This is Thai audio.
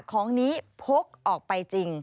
ของนี้พกออกไปจริง